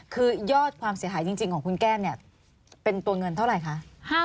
คือยอดความเสียหายจริงของคุณแก้มเนี่ยเป็นตัวเงินเท่าไหร่คะ